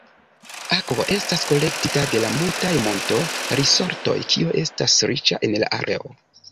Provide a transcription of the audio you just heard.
Akvo estas kolektita de la multaj monto-risortoj, kio estas riĉa en la areo.